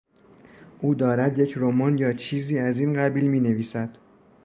او دارد یک رمان یا چیزی از این قبیل مینویسد.